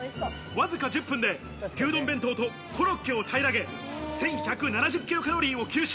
わずか１０分で牛丼弁当とコロッケを平らげ、１１７０キロカロリーを吸収。